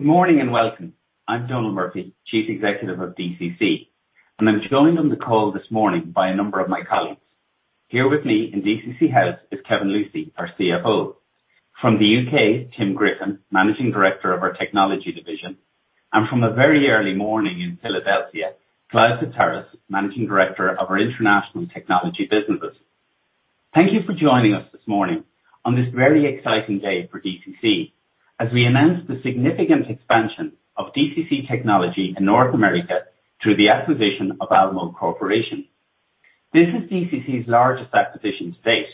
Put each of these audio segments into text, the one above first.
Good morning and welcome. I'm Donal Murphy, Chief Executive of DCC. I'm joined on the call this morning by a number of my colleagues. Here with me in DCC House is Kevin Lucey, our CFO. From the U.K., Tim Griffin, Managing Director of our technology division. From a very early morning in Philadelphia, Clive Fitzharris, Managing Director of our international technology businesses. Thank you for joining us this morning on this very exciting day for DCC, as we announce the significant expansion of DCC Technology in North America through the acquisition of Almo Corporation. This is DCC's largest acquisition to date.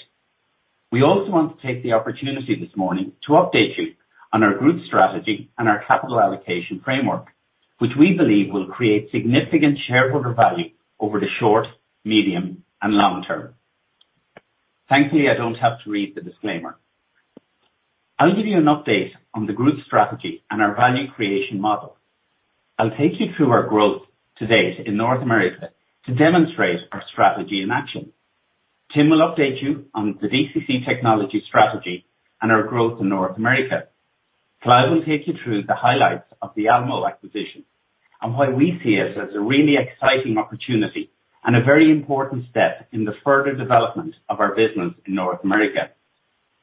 We also want to take the opportunity this morning to update you on our group strategy and our capital allocation framework, which we believe will create significant shareholder value over the short, medium, and long term. Thankfully, I don't have to read the disclaimer. I'll give you an update on the group strategy and our value creation model. I'll take you through our growth to date in North America to demonstrate our strategy in action. Tim will update you on the DCC Technology strategy and our growth in North America. Clive will take you through the highlights of the Almo acquisition and why we see it as a really exciting opportunity and a very important step in the further development of our business in North America.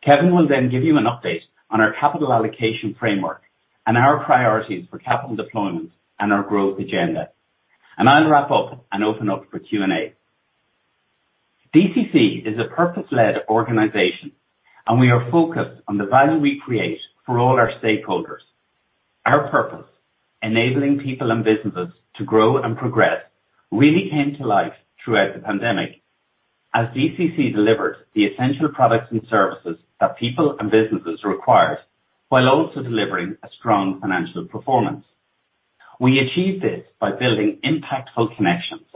Kevin will then give you an update on our capital allocation framework and our priorities for capital deployment and our growth agenda. I'll wrap up and open up for Q&A. DCC is a purpose-led organization, and we are focused on the value we create for all our stakeholders. Our purpose, enabling people and businesses to grow and progress, really came to life throughout the pandemic as DCC delivered the essential products and services that people and businesses required, while also delivering a strong financial performance. We achieved this by building impactful connections.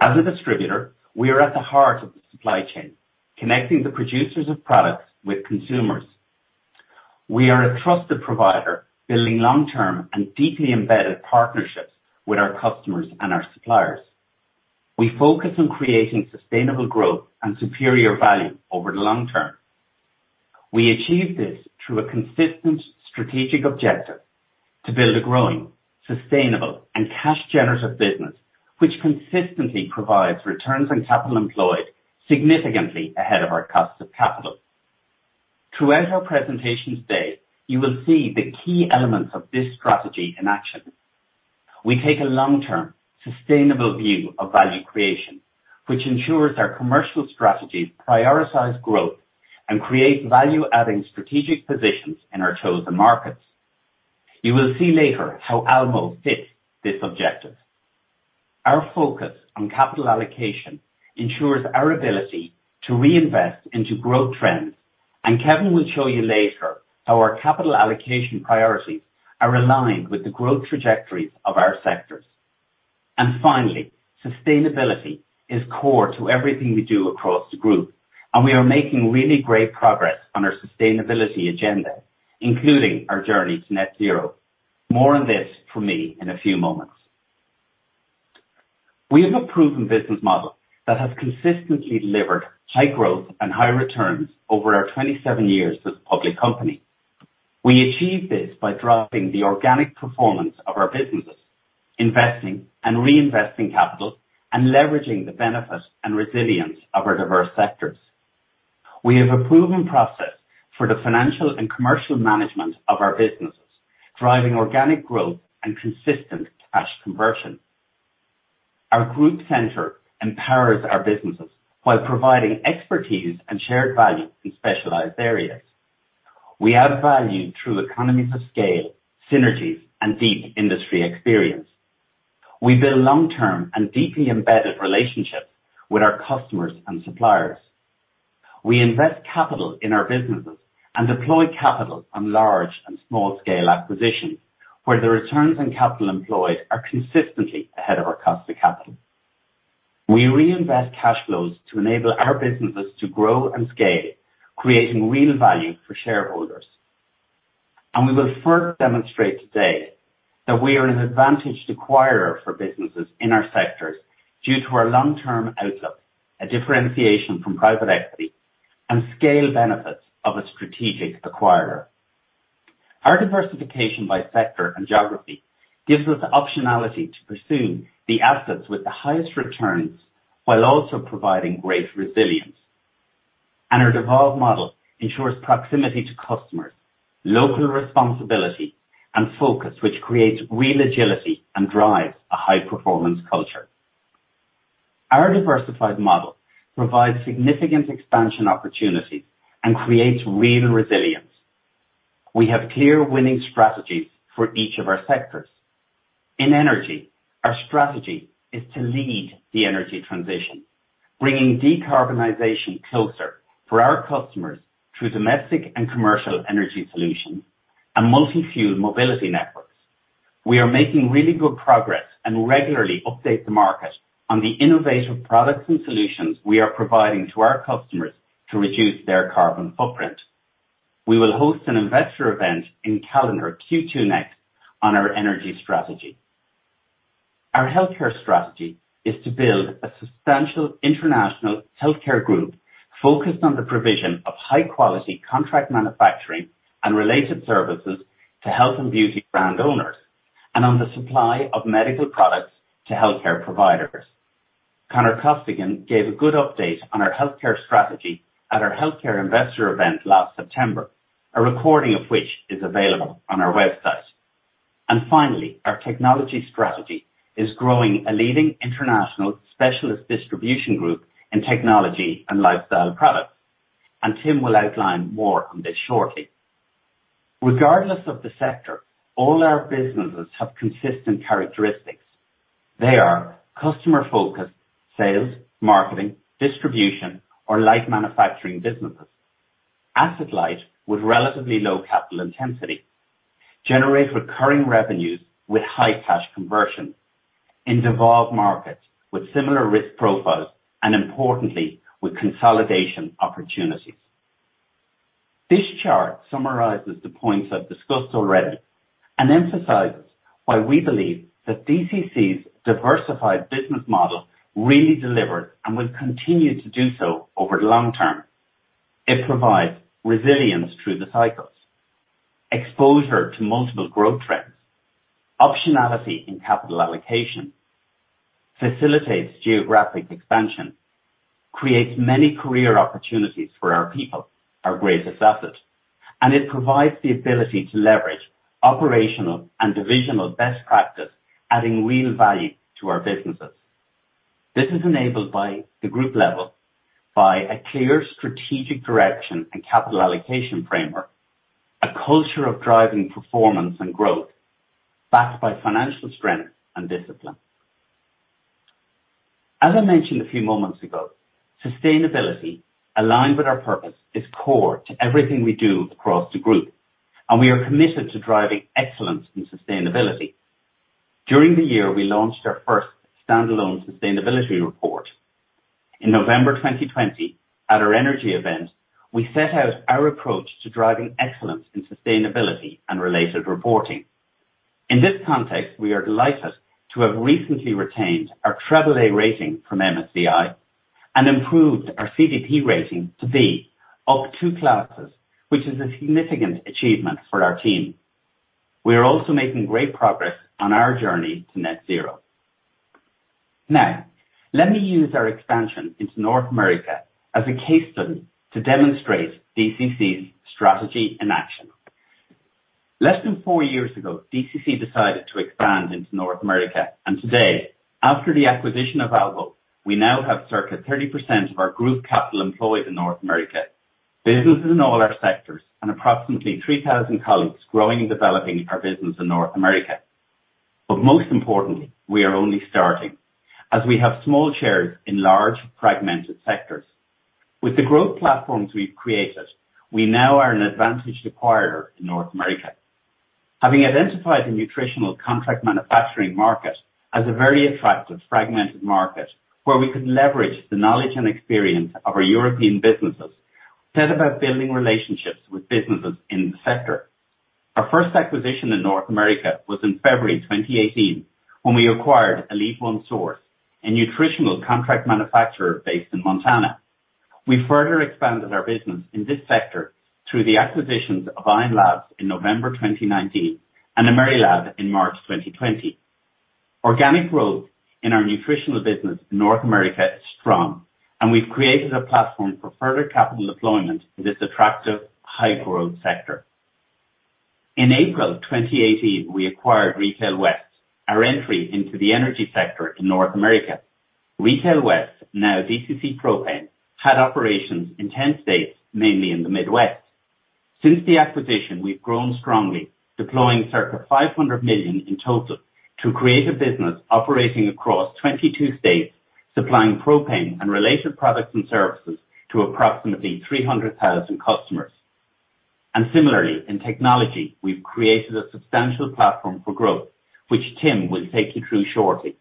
As a distributor, we are at the heart of the supply chain, connecting the producers of products with consumers. We are a trusted provider, building long-term and deeply embedded partnerships with our customers and our suppliers. We focus on creating sustainable growth and superior value over the long term. We achieve this through a consistent strategic objective to build a growing, sustainable and cash generative business, which consistently provides returns on capital employed significantly ahead of our cost of capital. Throughout our presentation today, you will see the key elements of this strategy in action. We take a long-term, sustainable view of value creation, which ensures our commercial strategies prioritize growth and create value-adding strategic positions in our chosen markets. You will see later how Almo fits this objective. Our focus on capital allocation ensures our ability to reinvest into growth trends. Kevin will show you later how our capital allocation priorities are aligned with the growth trajectories of our sectors. Finally, sustainability is core to everything we do across the group, and we are making really great progress on our sustainability agenda, including our journey to net zero. More on this from me in a few moments. We have a proven business model that has consistently delivered high growth and high returns over our 27 years as a public company. We achieve this by driving the organic performance of our businesses, investing and reinvesting capital, and leveraging the benefits and resilience of our diverse sectors. We have a proven process for the financial and commercial management of our businesses, driving organic growth and consistent cash conversion. Our group center empowers our businesses while providing expertise and shared value in specialized areas. We add value through economies of scale, synergies, and deep industry experience. We build long-term and deeply embedded relationships with our customers and suppliers. We invest capital in our businesses and deploy capital on large and small scale acquisitions, where the returns on capital employed are consistently ahead of our cost of capital. We reinvest cash flows to enable our businesses to grow and scale, creating real value for shareholders. We will further demonstrate today that we are an advantaged acquirer for businesses in our sectors due to our long-term outlook, a differentiation from private equity and scale benefits of a strategic acquirer. Our diversification by sector and geography gives us optionality to pursue the assets with the highest returns while also providing great resilience. Our devolved model ensures proximity to customers, local responsibility and focus, which creates real agility and drives a high performance culture. Our diversified model provides significant expansion opportunities and creates real resilience. We have clear winning strategies for each of our sectors. In Energy, our strategy is to lead the energy transition, bringing decarbonization closer for our customers through domestic and commercial energy solutions and multi-fuel mobility networks. We are making really good progress and regularly update the market on the innovative products and solutions we are providing to our customers to reduce their carbon footprint. We will host an investor event in calendar Q2 next on our energy strategy. Our healthcare strategy is to build a substantial international healthcare group focused on the provision of high quality contract manufacturing and related services to health and beauty brand owners, and on the supply of medical products to healthcare providers. Conor Costigan gave a good update on our healthcare strategy at our healthcare investor event last September, a recording of which is available on our website. Our technology strategy is growing a leading international specialist distribution group in technology and lifestyle products. Tim will outline more on this shortly. Regardless of the sector, all our businesses have consistent characteristics. They are customer-focused sales, marketing, distribution, or light manufacturing businesses. Asset light with relatively low capital intensity, generate recurring revenues with high cash conversion in developed markets with similar risk profiles and importantly, with consolidation opportunities. This chart summarizes the points I've discussed already and emphasizes why we believe that DCC's diversified business model really delivered and will continue to do so over the long term. It provides resilience through the cycles, exposure to multiple growth trends, optionality in capital allocation, facilitates geographic expansion, creates many career opportunities for our people, our greatest asset, and it provides the ability to leverage operational and divisional best practice, adding real value to our businesses. This is enabled at the group level by a clear strategic direction and capital allocation framework, a culture of driving performance and growth backed by financial strength and discipline. As I mentioned a few moments ago, sustainability aligned with our purpose is core to everything we do across the group, and we are committed to driving excellence in sustainability. During the year, we launched our first standalone sustainability report. In November 2020 at our energy event, we set out our approach to driving excellence in sustainability and related reporting. In this context, we are delighted to have recently retained our AAA rating from MSCI and improved our CDP rating to B, up two classes, which is a significant achievement for our team. We are also making great progress on our journey to net zero. Now, let me use our expansion into North America as a case study to demonstrate DCC's strategy in action. Less than four years ago, DCC decided to expand into North America, and today, after the acquisition of Almo, we now have circa 30% of our group capital employed in North America, businesses in all our sectors and approximately 3,000 colleagues growing and developing our business in North America. Most importantly, we are only starting, as we have small shares in large fragmented sectors. With the growth platforms we've created, we now are an advantage acquirer in North America. Having identified the nutritional contract manufacturing market as a very attractive fragmented market where we could leverage the knowledge and experience of our European businesses, we set about building relationships with businesses in the sector. Our first acquisition in North America was in February 2018, when we acquired Elite One Source, a nutritional contract manufacturer based in Montana. We further expanded our business in this sector through the acquisitions of Ion Labs in November 2019 and Amerilab in March 2020. Organic growth in our nutritional business in North America is strong, and we've created a platform for further capital deployment in this attractive high growth sector. In April 2018, we acquired Retail West, our entry into the energy sector in North America. Retail West, now DCC Propane, had operations in 10 states, mainly in the Midwest. Since the acquisition, we've grown strongly deploying circa 500 million in total to create a business operating across 22 states, supplying propane and related products and services to approximately 300,000 customers. Similarly, in technology, we've created a substantial platform for growth, which Tim will take you through shortly.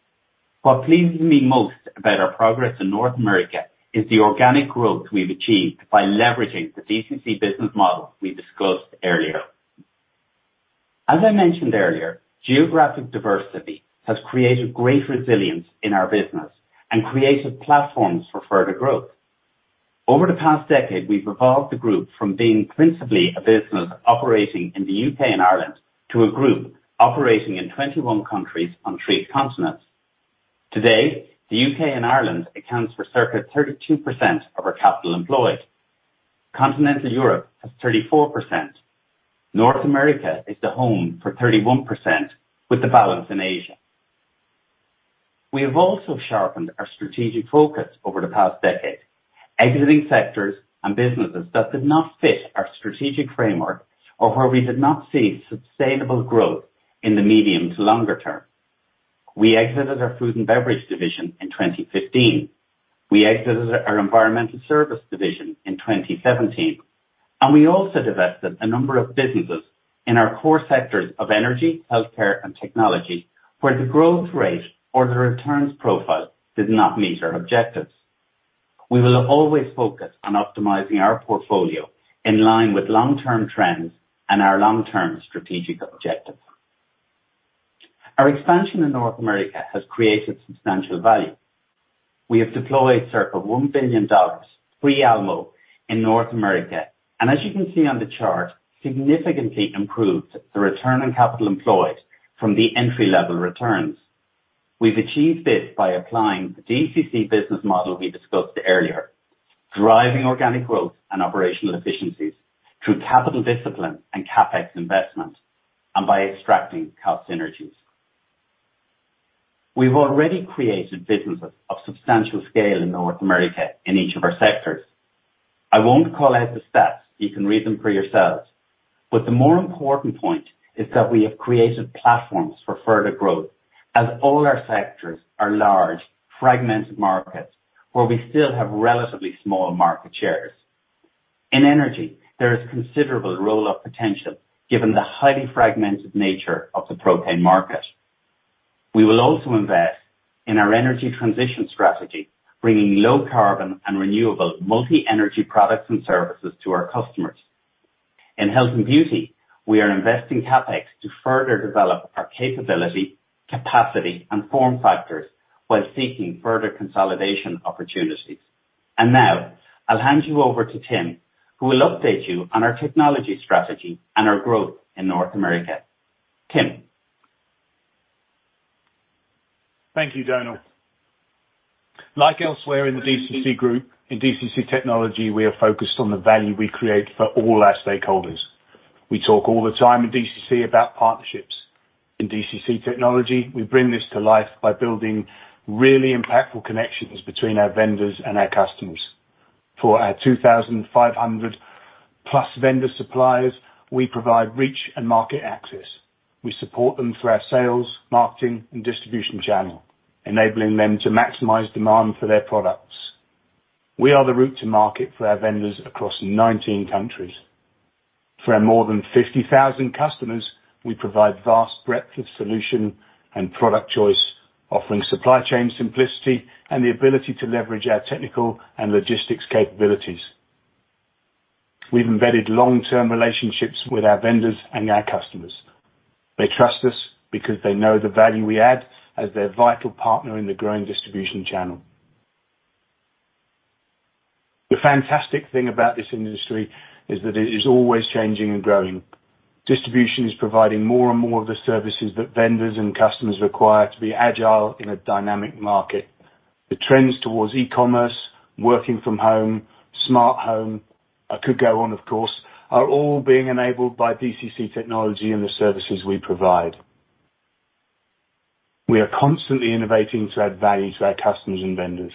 What pleases me most about our progress in North America is the organic growth we've achieved by leveraging the DCC business model we discussed earlier. As I mentioned earlier, geographic diversity has created great resilience in our business and created platforms for further growth. Over the past decade, we've evolved the group from being principally a business operating in the U.K. and Ireland to a group operating in 21 countries on three continents. Today, the U.K. and Ireland accounts for circa 32% of our capital employed. Continental Europe has 34%. North America is the home for 31% with the balance in Asia. We have also sharpened our strategic focus over the past decade, exiting sectors and businesses that did not fit our strategic framework or where we did not see sustainable growth in the medium to longer term. We exited our food and beverage division in 2015. We exited our environmental service division in 2017. We also divested a number of businesses in our core sectors of energy, healthcare, and technology, where the growth rate or the returns profile did not meet our objectives. We will always focus on optimizing our portfolio in line with long-term trends and our long-term strategic objectives. Our expansion in North America has created substantial value. We have deployed circa $1 billion pre-Almo in North America, and as you can see on the chart, significantly improved the return on capital employed from the entry-level returns. We've achieved this by applying the DCC business model we discussed earlier, driving organic growth and operational efficiencies through capital discipline and CapEx investment and by extracting cost synergies. We've already created businesses of substantial scale in North America in each of our sectors. I won't call out the stats, you can read them for yourselves. The more important point is that we have created platforms for further growth, as all our sectors are large, fragmented markets where we still have relatively small market shares. In energy, there is considerable roll-up potential given the highly fragmented nature of the propane market. We will also invest in our energy transition strategy, bringing low carbon and renewable multi-energy products and services to our customers. In health and beauty, we are investing CapEx to further develop our capability, capacity, and form factors while seeking further consolidation opportunities. Now I'll hand you over to Tim, who will update you on our technology strategy and our growth in North America. Tim. Thank you, Donal. Like elsewhere in the DCC group, in DCC Technology, we are focused on the value we create for all our stakeholders. We talk all the time in DCC about partnerships. In DCC Technology, we bring this to life by building really impactful connections between our vendors and our customers. For our 2,500+ vendor suppliers, we provide reach and market access. We support them through our sales, marketing, and distribution channel, enabling them to maximize demand for their products. We are the route to market for our vendors across 19 countries. For our more than 50,000 customers, we provide vast breadth of solution and product choice, offering supply chain simplicity, and the ability to leverage our technical and logistics capabilities. We've embedded long-term relationships with our vendors and our customers. They trust us because they know the value we add as their vital partner in the growing distribution channel. The fantastic thing about this industry is that it is always changing and growing. Distribution is providing more and more of the services that vendors and customers require to be agile in a dynamic market. The trends towards e-commerce, working from home, smart home, I could go on, of course, are all being enabled by DCC Technology and the services we provide. We are constantly innovating to add value to our customers and vendors.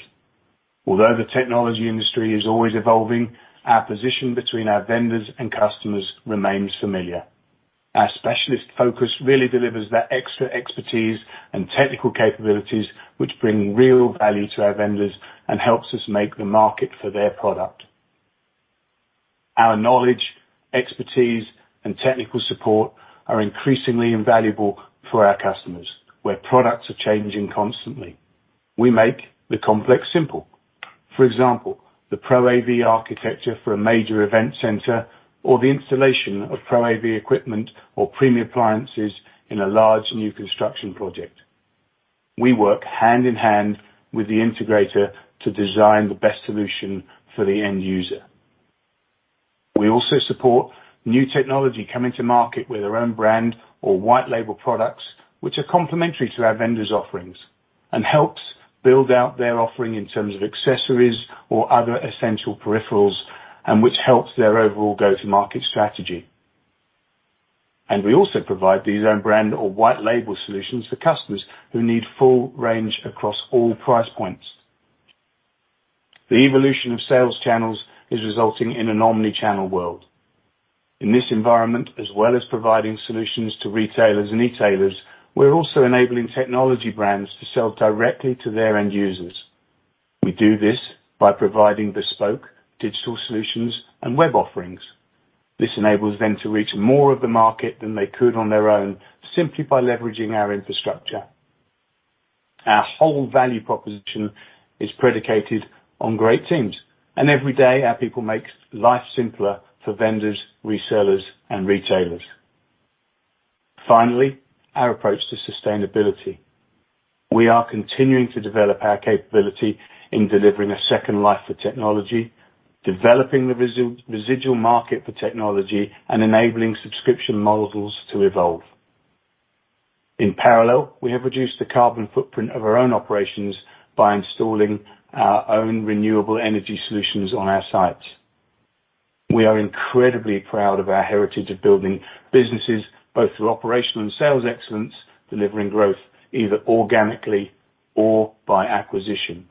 Although the technology industry is always evolving, our position between our vendors and customers remains familiar. Our specialist focus really delivers that extra expertise and technical capabilities which bring real value to our vendors and helps us make the market for their product. Our knowledge, expertise, and technical support are increasingly invaluable for our customers, where products are changing constantly. We make the complex simple. For example, the Pro AV architecture for a major event center or the installation of Pro AV equipment or premium appliances in a large new construction project. We work hand in hand with the integrator to design the best solution for the end user. We also support new technology coming to market with our own brand or white label products, which are complementary to our vendors' offerings, and helps build out their offering in terms of accessories or other essential peripherals, and which helps their overall go-to-market strategy. We also provide these own brand or white label solutions to customers who need full range across all price points. The evolution of sales channels is resulting in an omni-channel world. In this environment, as well as providing solutions to retailers and e-tailers, we're also enabling technology brands to sell directly to their end users. We do this by providing bespoke digital solutions and web offerings. This enables them to reach more of the market than they could on their own, simply by leveraging our infrastructure. Our whole value proposition is predicated on great teams, and every day, our people makes life simpler for vendors, resellers, and retailers. Finally, our approach to sustainability, we are continuing to develop our capability in delivering a second life for technology, developing the residual market for technology, and enabling subscription models to evolve. In parallel, we have reduced the carbon footprint of our own operations by installing our own renewable energy solutions on our sites. We are incredibly proud of our heritage of building businesses, both through operational and sales excellence, delivering growth either organically or by acquisition.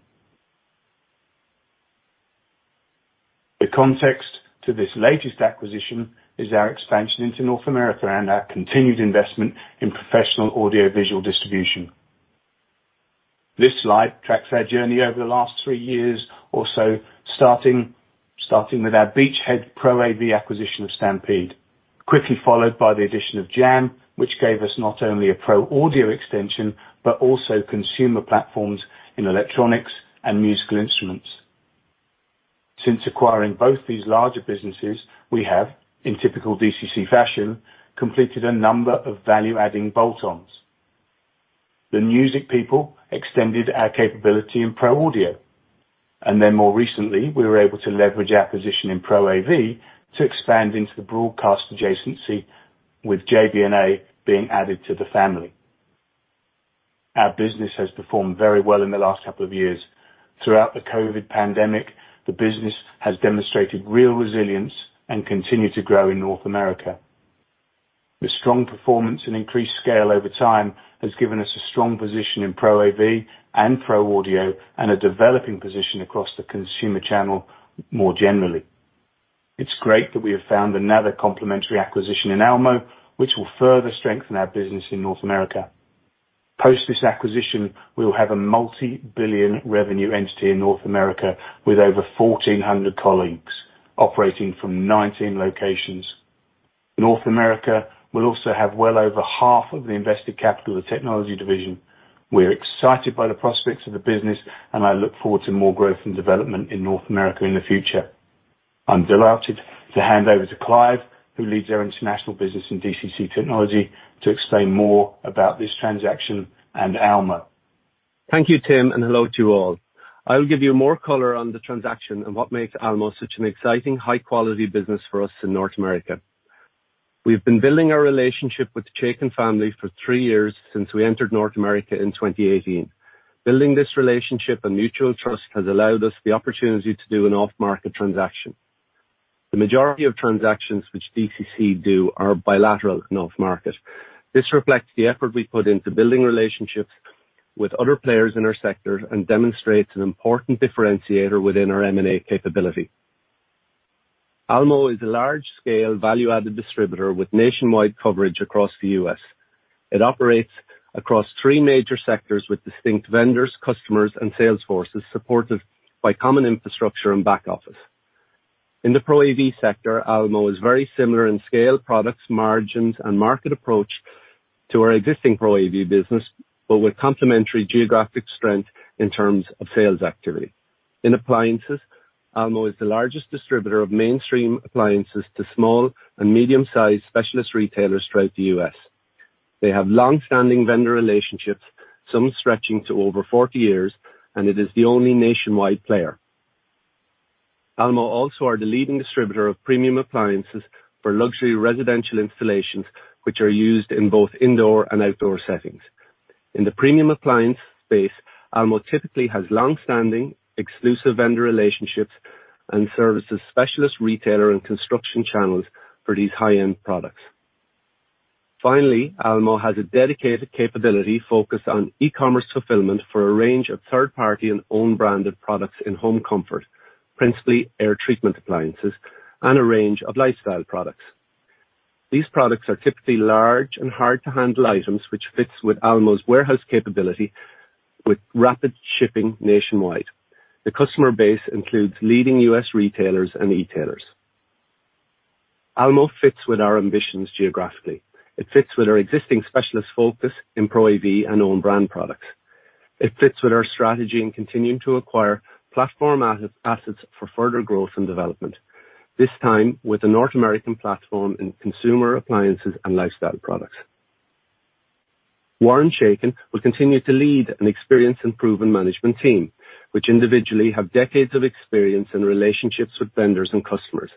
The context to this latest acquisition is our expansion into North America and our continued investment in professional audio visual distribution. This slide tracks our journey over the last three years or so, starting with our beachhead Pro AV acquisition of Stampede. Quickly followed by the addition of Jam, which gave us not only a Pro Audio extension, but also consumer platforms in electronics and musical instruments. Since acquiring both these larger businesses, we have, in typical DCC fashion, completed a number of value-adding bolt-ons. The Music People extended our capability in Pro Audio, and then more recently, we were able to leverage our position in Pro AV to expand into the broadcast adjacency with JB&A being added to the family. Our business has performed very well in the last couple of years. Throughout the COVID pandemic, the business has demonstrated real resilience and continued to grow in North America. The strong performance and increased scale over time has given us a strong position in Pro AV and Pro Audio and a developing position across the consumer channel more generally. It's great that we have found another complementary acquisition in Almo, which will further strengthen our business in North America. Post this acquisition, we'll have a multi-billion revenue entity in North America with over 1,400 colleagues operating from 19 locations. North America will also have well over half of the invested capital of the technology division. We're excited by the prospects of the business, and I look forward to more growth and development in North America in the future. I'm delighted to hand over to Clive, who leads our international business in DCC Technology, to explain more about this transaction and Almo. Thank you, Tim, and hello to you all. I'll give you more color on the transaction and what makes Almo such an exciting, high-quality business for us in North America. We've been building our relationship with the Chaiken family for three years since we entered North America in 2018. Building this relationship and mutual trust has allowed us the opportunity to do an off-market transaction. The majority of transactions which DCC do are bilateral and off-market. This reflects the effort we put into building relationships with other players in our sector and demonstrates an important differentiator within our M&A capability. Almo is a large-scale value-added distributor with nationwide coverage across the U.S. It operates across three major sectors with distinct vendors, customers, and sales forces supported by common infrastructure and back office. In the Pro AV sector, Almo is very similar in scale, products, margins, and market approach to our existing Pro AV business, but with complementary geographic strength in terms of sales activity. In appliances, Almo is the largest distributor of mainstream appliances to small and medium-sized specialist retailers throughout the U.S. They have long-standing vendor relationships, some stretching to over 40 years, and it is the only nationwide player. Almo is also the leading distributor of premium appliances for luxury residential installations, which are used in both indoor and outdoor settings. In the premium appliance space, Almo typically has long-standing exclusive vendor relationships and serves specialist retailer and construction channels for these high-end products. Finally, Almo has a dedicated capability focused on e-commerce fulfillment for a range of third-party and own branded products in home comfort, principally air treatment appliances and a range of lifestyle products. These products are typically large and hard to handle items which fits with Almo's warehouse capability with rapid shipping nationwide. The customer base includes leading U.S. retailers and e-tailers. Almo fits with our ambitions geographically. It fits with our existing specialist focus in Pro AV and own brand products. It fits with our strategy in continuing to acquire platform assets for further growth and development, this time with a North American platform in consumer appliances and lifestyle products. Warren Chaiken will continue to lead an experienced and proven management team, which individually have decades of experience and relationships with vendors and customers.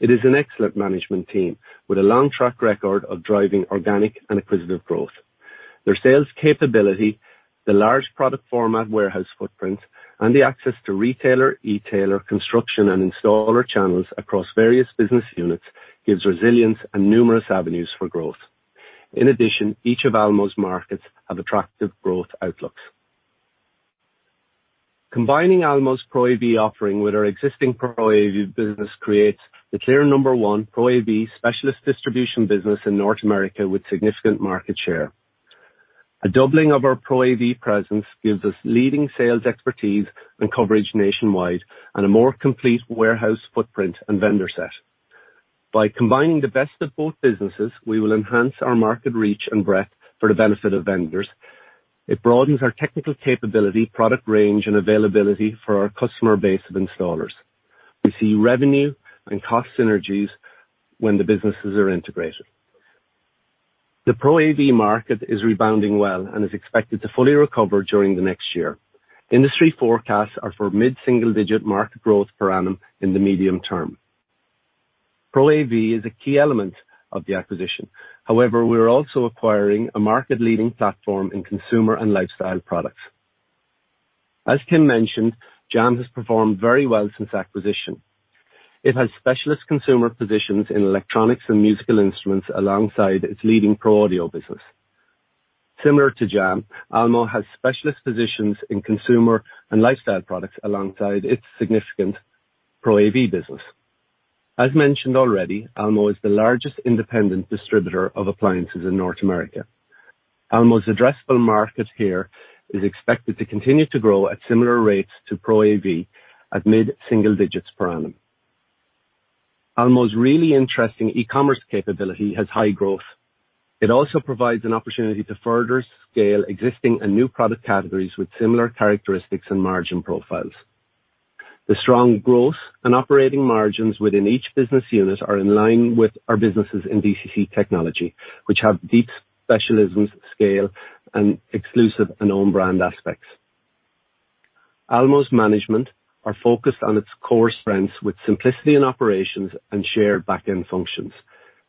It is an excellent management team with a long track record of driving organic and acquisitive growth. Their sales capability, the large product format warehouse footprint, and the access to retailer, e-tailer, construction, and installer channels across various business units gives resilience and numerous avenues for growth. In addition, each of Almo's markets have attractive growth outlooks. Combining Almo's Pro AV offering with our existing Pro AV business creates the clear number one Pro AV specialist distribution business in North America with significant market share. A doubling of our Pro AV presence gives us leading sales expertise and coverage nationwide and a more complete warehouse footprint and vendor set. By combining the best of both businesses, we will enhance our market reach and breadth for the benefit of vendors. It broadens our technical capability, product range, and availability for our customer base of installers. We see revenue and cost synergies when the businesses are integrated. The Pro AV market is rebounding well and is expected to fully recover during the next year. Industry forecasts are for mid-single digit market growth per annum in the medium term. Pro AV is a key element of the acquisition. However, we are also acquiring a market-leading platform in consumer and lifestyle products. As Tim mentioned, Jam has performed very well since acquisition. It has specialist consumer positions in electronics and musical instruments alongside its leading Pro Audio business. Similar to Jam, Almo has specialist positions in consumer and lifestyle products alongside its significant Pro AV business. As mentioned already, Almo is the largest independent distributor of appliances in North America. Almo's addressable market here is expected to continue to grow at similar rates to Pro AV at mid-single digits per annum. Almo's really interesting e-commerce capability has high growth. It also provides an opportunity to further scale existing and new product categories with similar characteristics and margin profiles. The strong growth and operating margins within each business unit are in line with our businesses in DCC Technology, which have deep specialisms, scale, and exclusive and own brand aspects. Almo's management are focused on its core strengths with simplicity in operations and shared back-end functions.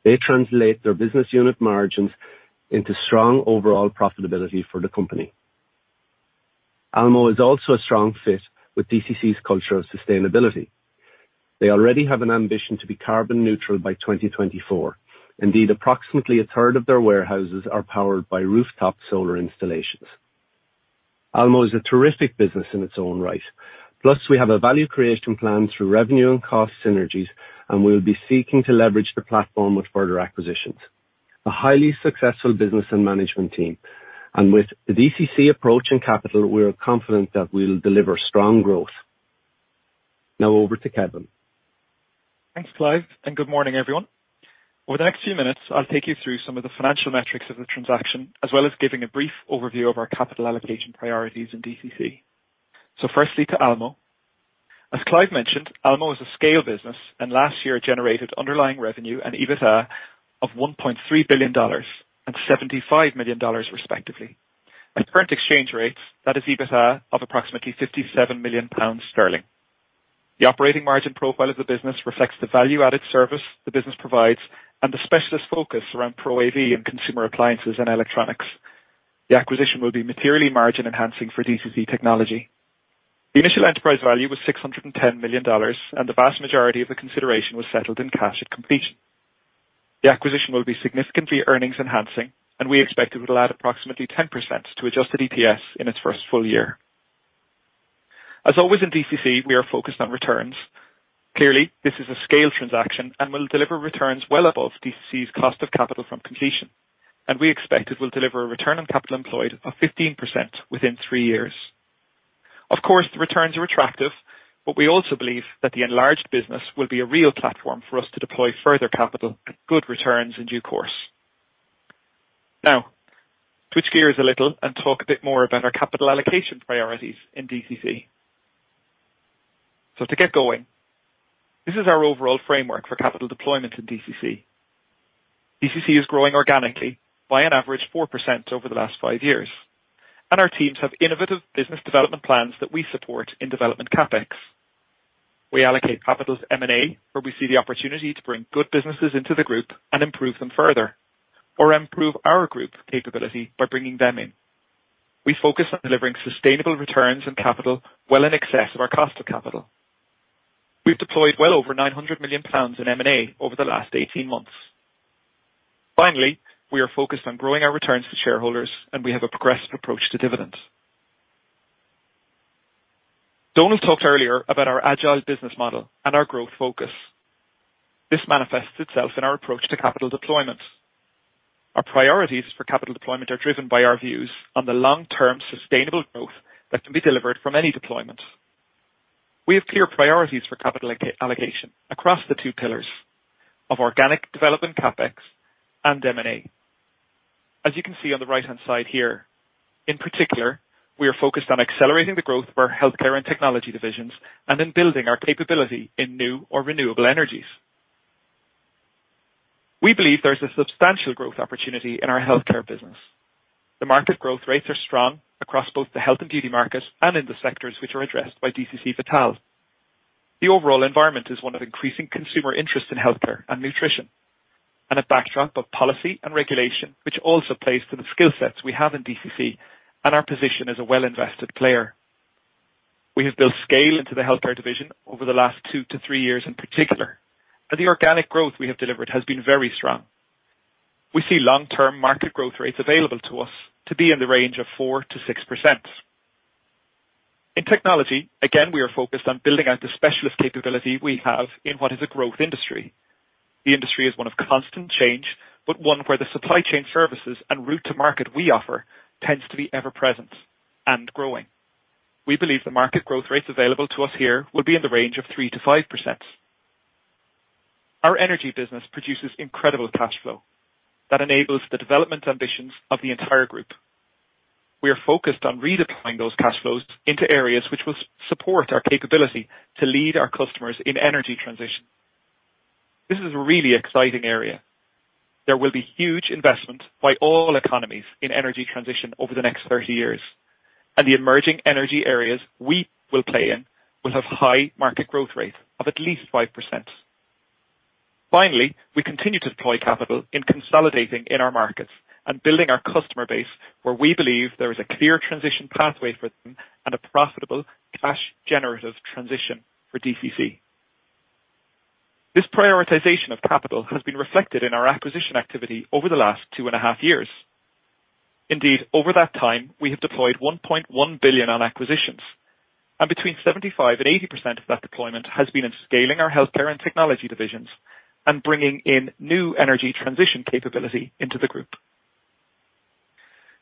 They translate their business unit margins into strong overall profitability for the company. Almo is also a strong fit with DCC's culture of sustainability. They already have an ambition to be carbon neutral by 2024. Indeed, approximately a third of their warehouses are powered by rooftop solar installations. Almo is a terrific business in its own right. Plus, we have a value creation plan through revenue and cost synergies, and we'll be seeking to leverage the platform with further acquisitions. A highly successful business and management team. With the DCC approach and capital, we are confident that we'll deliver strong growth. Now over to Kevin. Thanks, Clive, and good morning, everyone. Over the next few minutes, I'll take you through some of the financial metrics of the transaction, as well as giving a brief overview of our capital allocation priorities in DCC. Firstly, to Almo. As Clive mentioned, Almo is a scale business and last year generated underlying revenue and EBITDA of $1.3 billion and $75 million, respectively. At current exchange rates, that is EBITDA of approximately 57 million sterling. The operating margin profile of the business reflects the value-added service the business provides and the specialist focus around ProAV and consumer appliances and electronics. The acquisition will be materially margin enhancing for DCC Technology. The initial enterprise value was $610 million, and the vast majority of the consideration was settled in cash at completion. The acquisition will be significantly earnings enhancing, and we expect it will add approximately 10% to adjusted EPS in its first full year. As always in DCC, we are focused on returns. Clearly, this is a scale transaction and will deliver returns well above DCC's cost of capital from completion. We expect it will deliver a return on capital employed of 15% within three years. Of course, the returns are attractive, but we also believe that the enlarged business will be a real platform for us to deploy further capital at good returns in due course. Now, switch gears a little and talk a bit more about our capital allocation priorities in DCC. To get going, this is our overall framework for capital deployment in DCC. DCC is growing organically by an average 4% over the last 5 years, and our teams have innovative business development plans that we support in development CapEx. We allocate capital to M&A, where we see the opportunity to bring good businesses into the group and improve them further or improve our group capability by bringing them in. We focus on delivering sustainable returns and capital well in excess of our cost of capital. We've deployed well over 900 million pounds in M&A over the last 18 months. Finally, we are focused on growing our returns to shareholders, and we have a progressive approach to dividends. Donal talked earlier about our agile business model and our growth focus. This manifests itself in our approach to capital deployment. Our priorities for capital deployment are driven by our views on the long-term sustainable growth that can be delivered from any deployment. We have clear priorities for capital allocation across the two pillars of organic development, CapEx, and M&A. As you can see on the right-hand side here, in particular, we are focused on accelerating the growth of our Healthcare and Technology divisions and in building our capability in new or renewable energies. We believe there's a substantial growth opportunity in our Healthcare business. The market growth rates are strong across both the health and beauty market and in the sectors which are addressed by DCC Vital. The overall environment is one of increasing consumer interest in healthcare and nutrition, and a backdrop of policy and regulation, which also plays to the skill sets we have in DCC and our position as a well-invested player. We have built scale into the healthcare division over the last two to three years in particular, and the organic growth we have delivered has been very strong. We see long-term market growth rates available to us to be in the range of 4%-6%. In technology, again, we are focused on building out the specialist capability we have in what is a growth industry. The industry is one of constant change, but one where the supply chain services and route to market we offer tends to be ever present and growing. We believe the market growth rates available to us here will be in the range of 3%-5%. Our energy business produces incredible cash flow that enables the development ambitions of the entire group. We are focused on redeploying those cash flows into areas which will support our capability to lead our customers in energy transition. This is a really exciting area. There will be huge investment by all economies in energy transition over the next 30 years, and the emerging energy areas we will play in will have high market growth rate of at least 5%. Finally, we continue to deploy capital in consolidating in our markets and building our customer base where we believe there is a clear transition pathway for them and a profitable cash generative transition for DCC. This prioritization of capital has been reflected in our acquisition activity over the last 2.5 years. Indeed, over that time, we have deployed 1.1 billion on acquisitions. Between 75% and 80% of that deployment has been in scaling our healthcare and technology divisions and bringing in new energy transition capability into the group.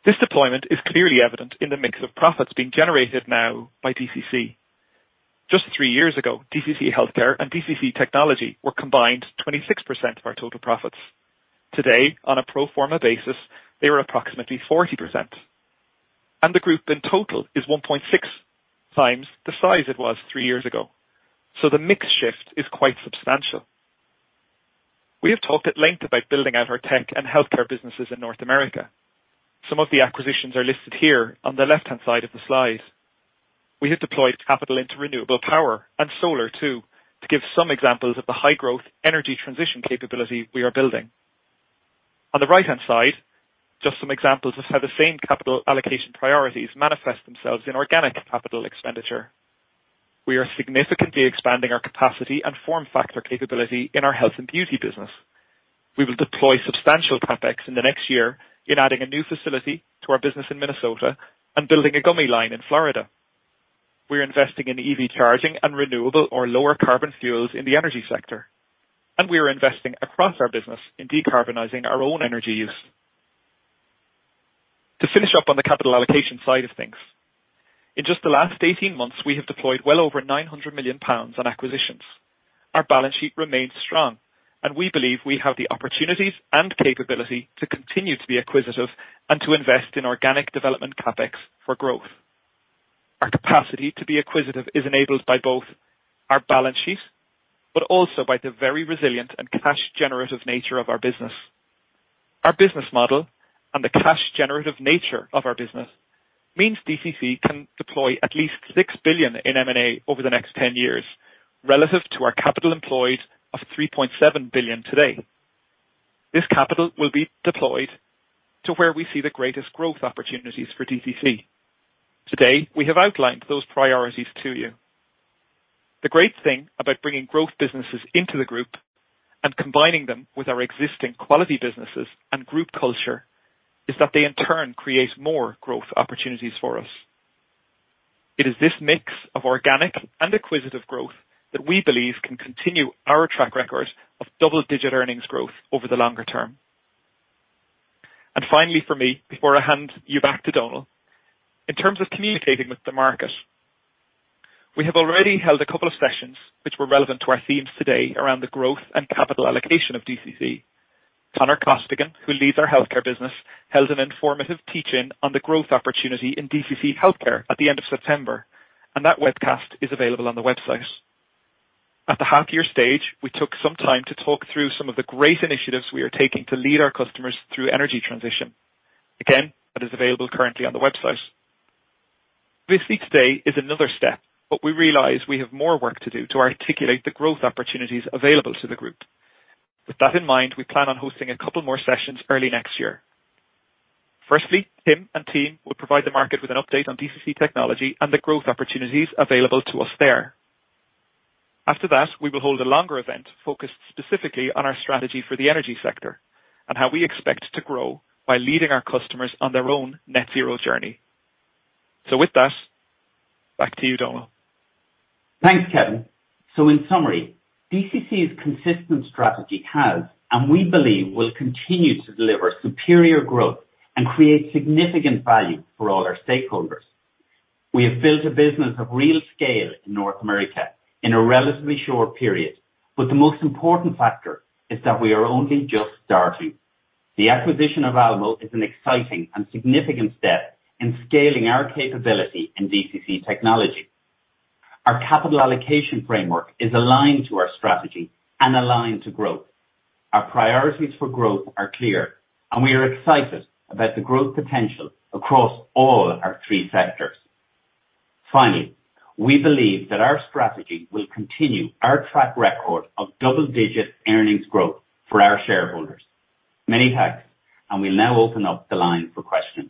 This deployment is clearly evident in the mix of profits being generated now by DCC. Just three years ago, DCC Healthcare and DCC Technology were combined 26% of our total profits. Today, on a pro forma basis, they were approximately 40%. The group in total is 1.6 times the size it was three years ago. The mix shift is quite substantial. We have talked at length about building out our tech and healthcare businesses in North America. Some of the acquisitions are listed here on the left-hand side of the slide. We have deployed capital into renewable power and solar too, to give some examples of the high-growth energy transition capability we are building. On the right-hand side, just some examples of how the same capital allocation priorities manifest themselves in organic capital expenditure. We are significantly expanding our capacity and form factor capability in our health and beauty business. We will deploy substantial CapEx in the next year in adding a new facility to our business in Minnesota and building a gummy line in Florida. We're investing in EV charging and renewable or lower carbon fuels in the energy sector. We are investing across our business in decarbonizing our own energy use. To finish up on the capital allocation side of things, in just the last 18 months, we have deployed well over 900 million pounds on acquisitions. Our balance sheet remains strong, and we believe we have the opportunities and capability to continue to be acquisitive and to invest in organic development CapEx for growth. Our capacity to be acquisitive is enabled by both our balance sheet, but also by the very resilient and cash generative nature of our business. Our business model and the cash generative nature of our business means DCC can deploy at least 6 billion in M&A over the next 10 years relative to our capital employed of 3.7 billion today. This capital will be deployed to where we see the greatest growth opportunities for DCC. Today, we have outlined those priorities to you. The great thing about bringing growth businesses into the group and combining them with our existing quality businesses and group culture is that they in turn create more growth opportunities for us. It is this mix of organic and acquisitive growth that we believe can continue our track record of double-digit earnings growth over the longer term. Finally, for me, before I hand you back to Donal, in terms of communicating with the market, we have already held a couple of sessions which were relevant to our themes today around the growth and capital allocation of DCC. Conor Costigan, who leads our healthcare business, held an informative teach-in on the growth opportunity in DCC Healthcare at the end of September, and that webcast is available on the website. At the half year stage, we took some time to talk through some of the great initiatives we are taking to lead our customers through energy transition. Again, that is available currently on the website. This week today is another step, but we realize we have more work to do to articulate the growth opportunities available to the group. With that in mind, we plan on hosting a couple more sessions early next year. Firstly, Tim and team will provide the market with an update on DCC Technology and the growth opportunities available to us there. After that, we will hold a longer event focused specifically on our strategy for the energy sector and how we expect to grow by leading our customers on their own net zero journey. With that, back to you, Donal. Thanks, Kevin. In summary, DCC's consistent strategy has, and we believe will continue to deliver superior growth and create significant value for all our stakeholders. We have built a business of real scale in North America in a relatively short period, but the most important factor is that we are only just starting. The acquisition of Almo is an exciting and significant step in scaling our capability in DCC Technology. Our capital allocation framework is aligned to our strategy and aligned to growth. Our priorities for growth are clear, and we are excited about the growth potential across all our three sectors. Finally, we believe that our strategy will continue our track record of double-digit earnings growth for our shareholders. Many thanks, and we'll now open up the line for questions.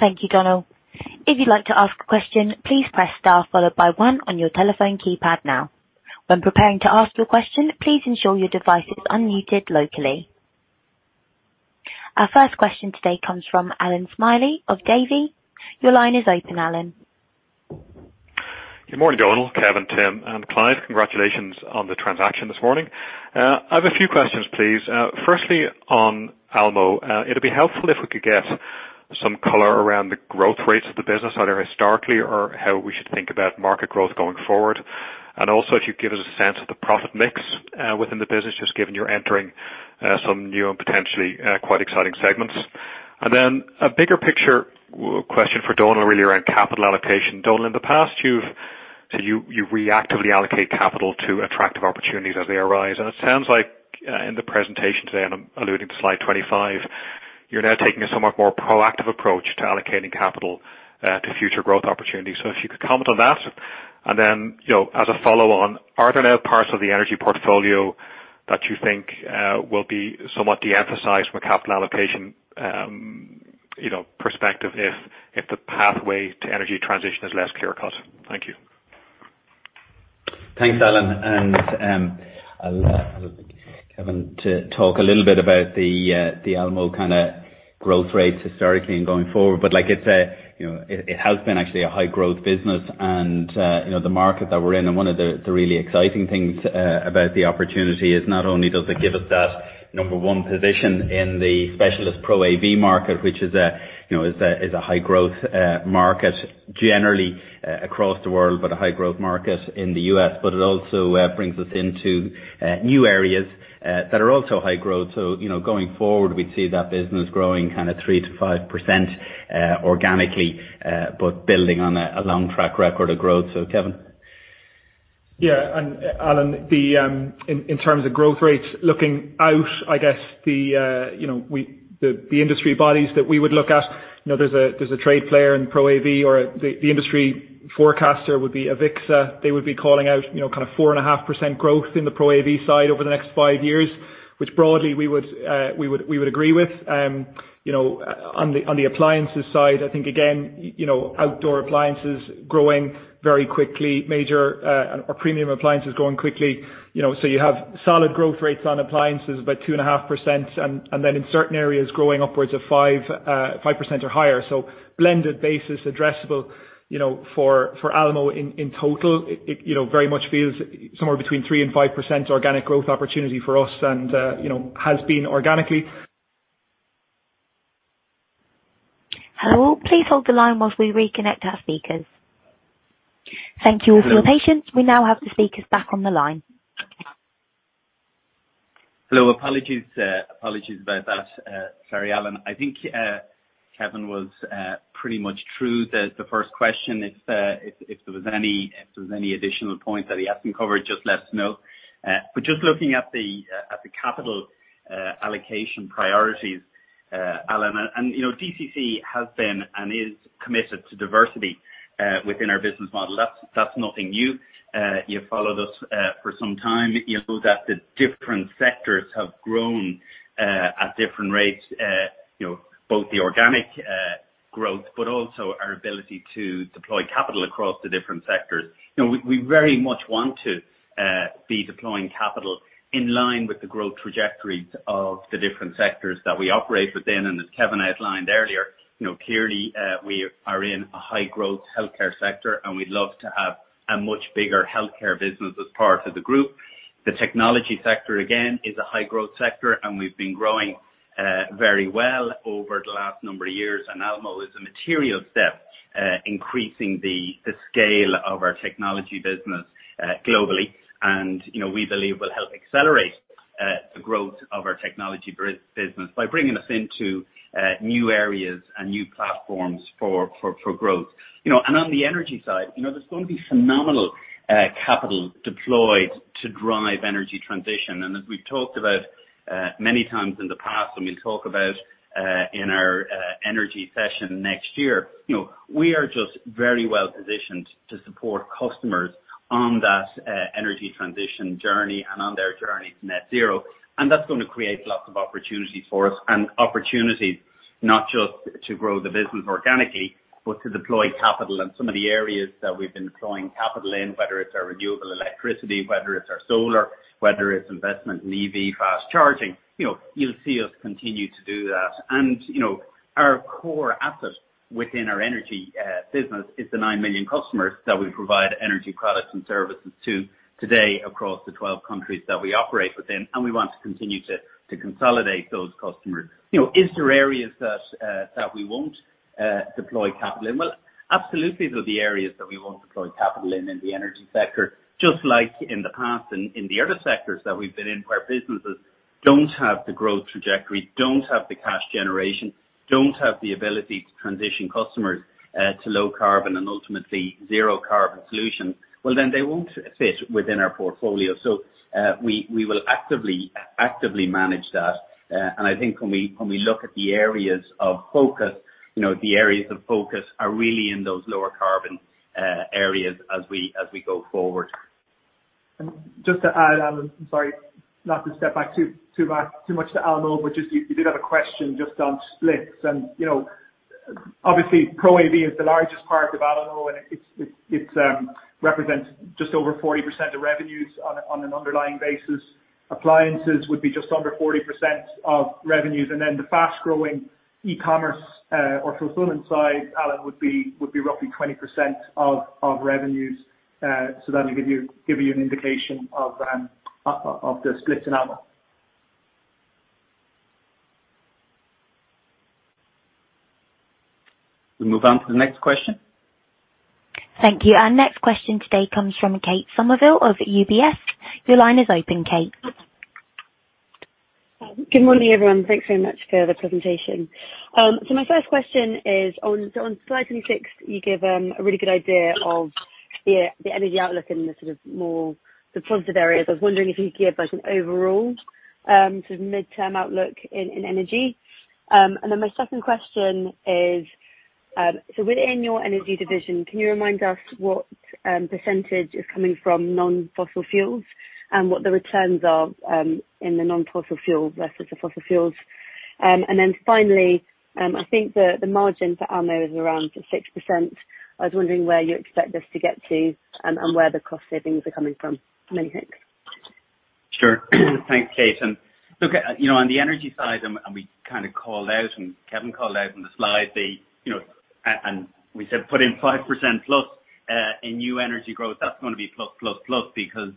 Thank you, Donal. If you'd like to ask a question, please press star followed by one on your telephone keypad now. When preparing to ask your question, please ensure your device is unmuted locally. Our first question today comes from Allan Smylie of Davy. Your line is open, Allan. Good morning, Donal, Kevin, Tim, and Clive. Congratulations on the transaction this morning. I have a few questions, please. Firstly, on Almo, it'd be helpful if we could get some color around the growth rates of the business, either historically or how we should think about market growth going forward. Also, if you could give us a sense of the profit mix within the business, just given you're entering some new and potentially quite exciting segments. Then a bigger picture question for Donal, really around capital allocation. Donal, in the past, you've said you reactively allocate capital to attractive opportunities as they arise. It sounds like in the presentation today, and I'm alluding to slide 25, you're now taking a somewhat more proactive approach to allocating capital to future growth opportunities. If you could comment on that. Then, you know, as a follow on, are there now parts of the energy portfolio that you think will be somewhat de-emphasized from a capital allocation, you know, perspective if the pathway to energy transition is less clear cut? Thank you. Thanks, Allan. I'll have Kevin to talk a little bit about the Almo kinda growth rates historically and going forward. Like it's, you know, it has been actually a high growth business and, you know, the market that we're in and one of the really exciting things about the opportunity is not only does it give us that number one position in the specialist Pro AV market, which is a, you know, is a high growth market generally across the world, but a high growth market in the US. It also brings us into new areas that are also high growth. You know, going forward, we'd see that business growing kind of 3%-5% organically, but building on a long track record of growth. Kevin. Yeah. Allan, in terms of growth rates looking out, I guess the, you know, the industry bodies that we would look at, you know, there's a trade player in Pro AV or the industry forecaster would be AVIXA. They would be calling out, you know, kind of 4.5% growth in the Pro AV side over the next 5 years, which broadly we would agree with. You know, on the appliances side, I think again, you know, outdoor appliances growing very quickly, major or premium appliances growing quickly, you know. You have solid growth rates on appliances by 2.5%. Then in certain areas growing upwards of 5% or higher. Blended basis addressable, you know, for Almo in total, it, you know, very much feels somewhere between 3%-5% organic growth opportunity for us and, you know, has been organically. Hello. Please hold the line while we reconnect our speakers. Thank you all for your patience. We now have the speakers back on the line. Hello. Apologies about that, sorry, Allan. I think Kevin was pretty much through the first question. If there was any additional points that he hasn't covered, just let us know. Just looking at the capital allocation priorities, Allan. You know, DCC has been and is committed to diversity within our business model. That's nothing new. You followed us for some time. You know that the different sectors have grown at different rates, you know, both the organic growth, but also our ability to deploy capital across the different sectors. You know, we very much want to be deploying capital in line with the growth trajectories of the different sectors that we operate within. As Kevin outlined earlier, you know, clearly, we are in a high growth healthcare sector, and we'd love to have a much bigger healthcare business as part of the group. The technology sector, again, is a high growth sector, and we've been growing very well over the last number of years. Almo is a material step increasing the scale of our technology business globally. You know, we believe will help accelerate the growth of our technology business by bringing us into new areas and new platforms for growth. You know, on the energy side, you know, there's going to be phenomenal capital deployed to drive energy transition. As we've talked about many times in the past, and we'll talk about in our energy session next year, you know, we are just very well positioned to support customers on that energy transition journey and on their journey to net zero. That's gonna create lots of opportunities for us and opportunities not just to grow the business organically, but to deploy capital in some of the areas that we've been deploying capital in, whether it's our renewable electricity, whether it's our solar, whether it's investment in EV fast charging. You know, you'll see us continue to do that. You know, our core asset within our energy business is the 9 million customers that we provide energy products and services to today across the 12 countries that we operate within. We want to continue to consolidate those customers. You know, is there areas that we won't deploy capital in? Well, absolutely, there'll be areas that we won't deploy capital in the energy sector. Just like in the past and in the other sectors that we've been in, where businesses don't have the growth trajectory, don't have the cash generation, don't have the ability to transition customers to low carbon and ultimately zero carbon solutions, well, then they won't fit within our portfolio. We will actively manage that. I think when we look at the areas of focus, you know, the areas of focus are really in those lower carbon areas as we go forward. Just to add, Allan, I'm sorry, not to step back too back too much to Almo, but just you did have a question just on splits. You know, obviously Pro AV is the largest part of Almo, and it represents just over 40% of revenues on an underlying basis. Appliances would be just under 40% of revenues. Then the fast growing e-commerce or fulfillment side, Allan, would be roughly 20% of revenues. So that'll give you an indication of the splits in Almo. We move on to the next question. Thank you. Our next question today comes from Kate Somerville of UBS. Your line is open, Kate. Good morning, everyone. Thanks very much for the presentation. My first question is on, so on slide 26, you give a really good idea of the energy outlook in the sort of more positive areas. I was wondering if you could give us an overall sort of midterm outlook in energy. My second question is, within your energy division, can you remind us what percentage is coming from non-fossil fuels and what the returns are in the non-fossil fuel versus the fossil fuels? Finally, I think the margin for Almo is around 6%. I was wondering where you expect this to get to and where the cost savings are coming from. Many thanks. Sure. Thanks, Kate. Look, you know, on the energy side and we kind of called out, and Kevin called out on the slide the, you know, and we said put in 5%+ in new energy growth, that's gonna be plus, plus because,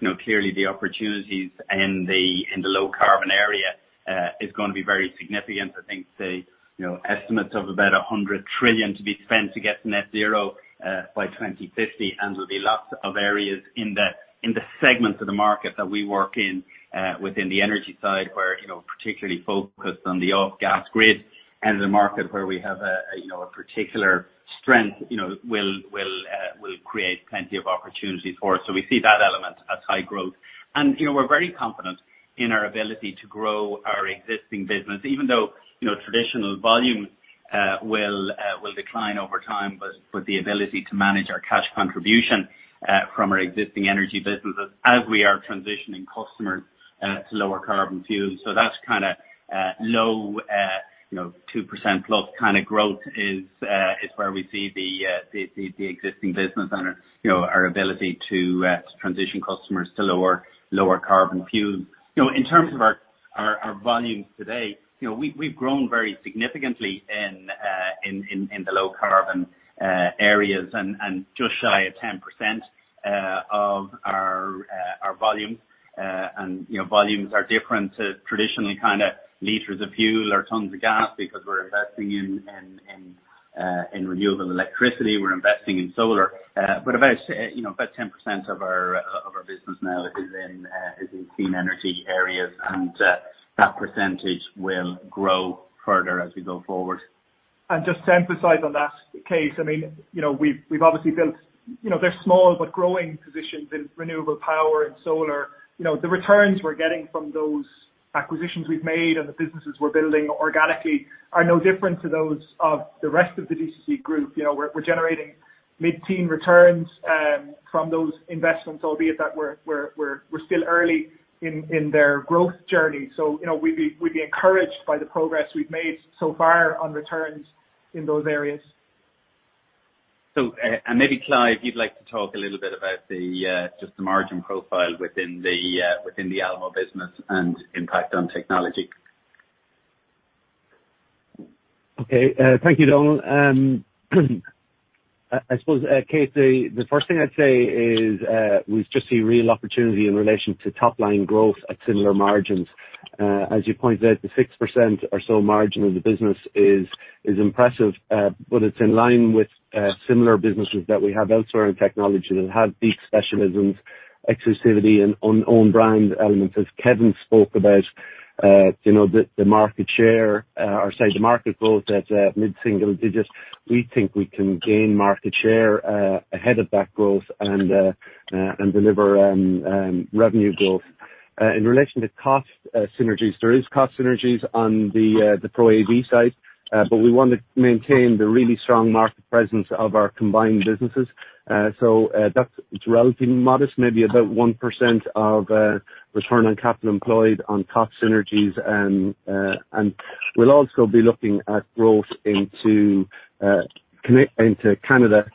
you know, clearly the opportunities in the low carbon area is gonna be very significant. I think say, you know, estimates of about $100 trillion to be spent to get to net zero by 2050. There'll be lots of areas in the segments of the market that we work in within the energy side where, you know, particularly focused on the off-gas grid and the market where we have a particular strength, you know, will create plenty of opportunities for us. We see that element as high growth. You know, we're very confident in our ability to grow our existing business, even though, you know, traditional volumes will decline over time with the ability to manage our cash contribution from our existing energy businesses as we are transitioning customers to lower carbon fuels. That's kinda low, you know, 2% plus kind of growth is where we see the existing business and, you know, our ability to transition customers to lower carbon fuels. You know, in terms of our volumes today, you know, we've grown very significantly in the low carbon areas and just shy of 10% of our volumes. You know, volumes are different to traditionally kinda liters of fuel or tons of gas because we're investing in renewable electricity, we're investing in solar. About, you know, about 10% of our business now is in clean energy areas. That percentage will grow further as we go forward. Just to emphasize on that case, I mean, you know, we've obviously built, you know, they're small but growing positions in renewable power and solar. You know, the returns we're getting from those acquisitions we've made and the businesses we're building organically are no different to those of the rest of the DCC group. You know, we're generating mid-teen returns from those investments, albeit that we're still early in their growth journey. You know, we'd be encouraged by the progress we've made so far on returns in those areas. Maybe Clive, you'd like to talk a little bit about just the margin profile within the Almo business and impact on technology. Okay. Thank you, Donal. I suppose, Kate, the first thing I'd say is, we just see real opportunity in relation to top line growth at similar margins. As you point out, the 6% or so margin of the business is impressive, but it's in line with similar businesses that we have elsewhere in technology that have deep specialisms, exclusivity and own brand elements. As Kevin spoke about, you know, the market growth as mid-single digits. We think we can gain market share ahead of that growth and deliver revenue growth. In relation to cost synergies, there is cost synergies on the Pro AV side, but we want to maintain the really strong market presence of our combined businesses. That's relatively modest, maybe about 1% return on capital employed on cost synergies. We'll also be looking at growth into Canada,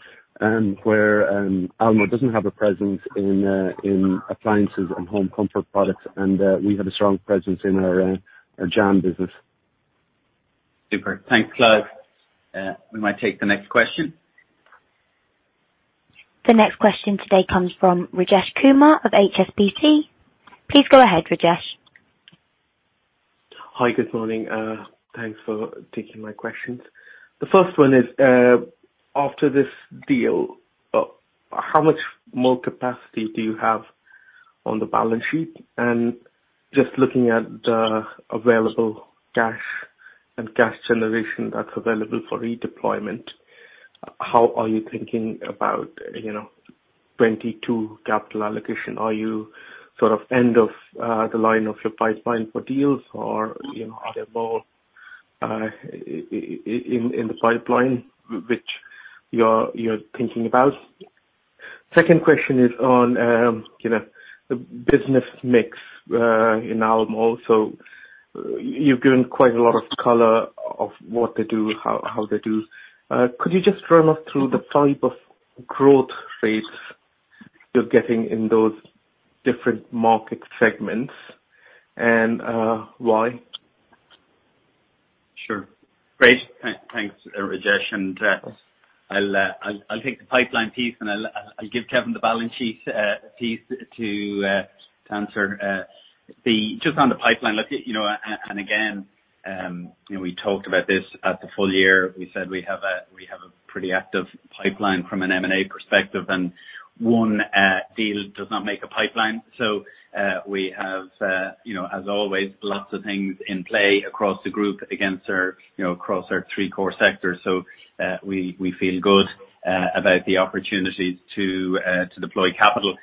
where Almo doesn't have a presence in appliances and home comfort products. We have a strong presence in our JAM business. Super. Thanks, Clive. We might take the next question. The next question today comes from Rajesh Kumar of HSBC. Please go ahead, Rajesh. Hi. Good morning. Thanks for taking my questions. The first one is, after this deal, how much more capacity do you have on the balance sheet? Just looking at the available cash and cash generation that's available for redeployment, how are you thinking about, you know, 2022 capital allocation? Are you sort of end of the line of your pipeline for deals or, you know, are there more in the pipeline which you're thinking about? Second question is on, you know, the business mix in Almo. So you've given quite a lot of color of what they do, how they do. Could you just run us through the type of growth rates you're getting in those different market segments and why? Sure. Great. Thanks, Rajesh. I'll take the pipeline piece and I'll give Kevin the balance sheet piece to answer. Just on the pipeline, look, you know, and again, you know, we talked about this at the full year. We said we have a pretty active pipeline from an M&A perspective, and one deal does not make a pipeline. We have, you know, as always, lots of things in play across the group across our three core sectors. We feel good about the opportunities to deploy capital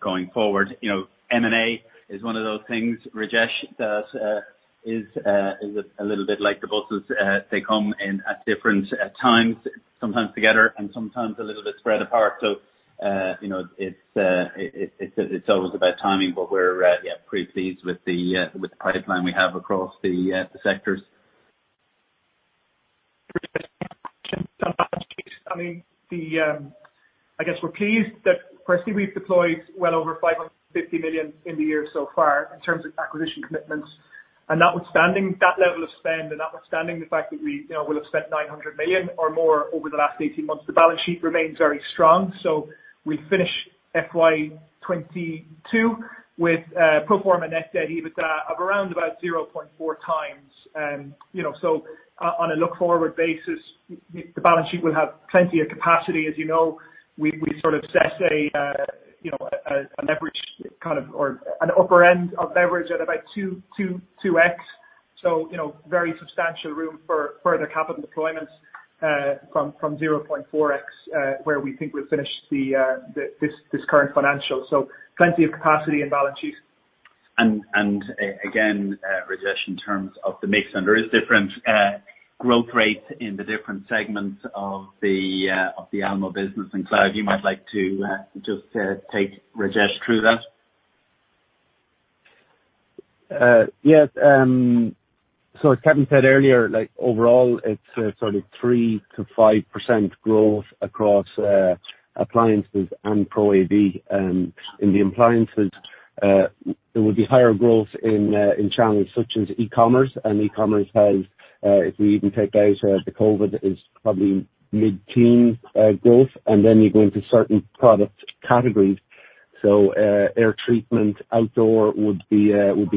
going forward. You know, M&A is one of those things, Rajesh, that is a little bit like the buses. They come in at different times, sometimes together and sometimes a little bit spread apart. You know, it's always about timing, but yeah, we're pretty pleased with the pipeline we have across the sectors. I mean, I guess we're pleased that firstly we've deployed well over 550 million in the year so far in terms of acquisition commitments. Notwithstanding that level of spend and notwithstanding the fact that we, you know, will have spent 900 million or more over the last eighteen months, the balance sheet remains very strong. We finish FY 2022 with pro forma net debt/EBITA of around about 0.4 times. You know, on a look forward basis, the balance sheet will have plenty of capacity. As you know, we sort of set a leverage kind of, or an upper end of leverage at about 2x. You know, very substantial room for further capital deployments from 0.4x, where we think we've finished this current financial. Plenty of capacity and balance sheet. Again, Rajesh in terms of the mix, and there is different growth rates in the different segments of the Almo business. Clive, you might like to just take Rajesh through that. Yes. As Kevin said earlier, like overall it's sort of 3%-5% growth across appliances and Pro AV. In the appliances, there will be higher growth in channels such as e-commerce. E-commerce has, if we even take out the COVID, is probably mid-teen growth. You go into certain product categories. Air treatment, outdoor would be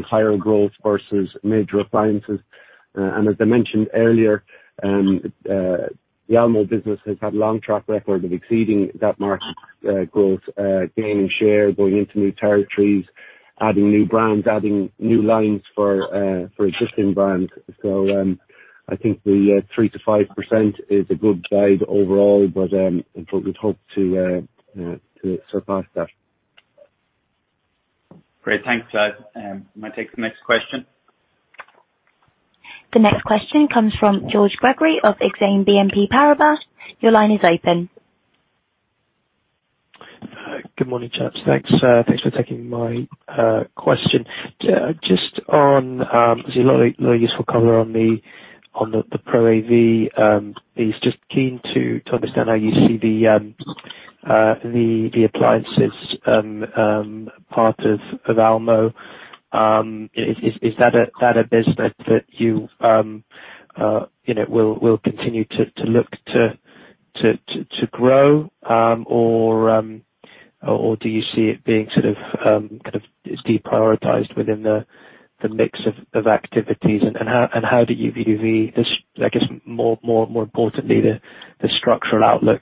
higher growth versus major appliances. As I mentioned earlier, the Almo business has had long track record of exceeding that market growth, gaining share, going into new territories, adding new brands, adding new lines for existing brands. I think the 3%-5% is a good guide overall, but we hope to surpass that. Great. Thanks, Clive. Might take the next question. The next question comes from George Gregory of BNP Paribas Exane. Your line is open. Good morning, chaps. Thanks for taking my question. Just on, there's a lot of useful color on the Pro AV. I'm just keen to understand how you see the appliances part of Almo. Is that a business that you know will continue to grow? Or do you see it being sort of kind of it's deprioritized within the mix of activities? And how do you view this, I guess more importantly, the structural outlook